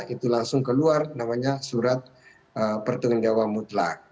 itu langsung keluar namanya surat pertanggungjawa mutlak